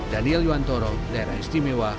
daniel yuwantoro daerah istimewa